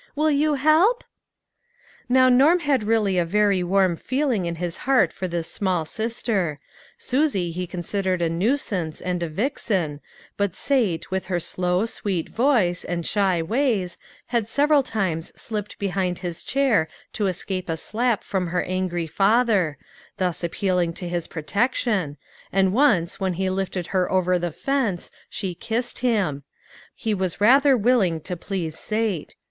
Will you help ?" Now Norm had really a very warm feeling in his heart for this small sister ; Susie he consid ered a nuisance, and a vixen, but Sate with her slow sweet voice, and shy ways, had several times slipped behind his chair to escape a slap from her angry father, thus appealing to his protection, and once when he lifted her over the fence, she kissed him ; he was rather willing to please Sate.